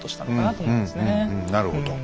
なるほど。